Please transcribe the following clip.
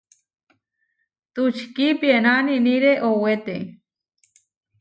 Tučikí piená niʼníre owéte.